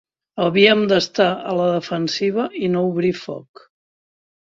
Havíem d'estar a la defensiva i no obrir foc